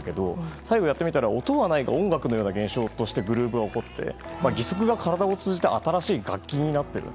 最後、やってみたら音はないが音楽のような現象としてグルーヴが起こって義足が体を通して楽器になっている。